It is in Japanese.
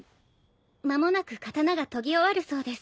間もなく刀が研ぎ終わるそうです。